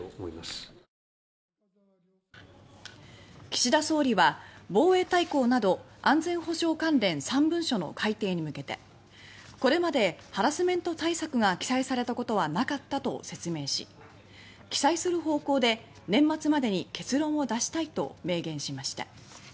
岸田総理は防衛大綱など安全保障関連３文書の改定に向けて「これまでハラスメント対策が記載されたことはなかった」と説明し「記載する方向で年末までに結論を出したい」と明言しました。